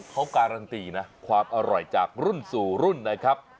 เขาการันตีนะความอร่อยจากรุ่นสู่รุ่นนะครับ